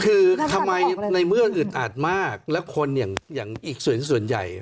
คือทำไมในเมื่ออึดอัดมากแล้วคนอย่างอีกส่วนส่วนใหญ่